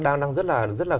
nó đang rất là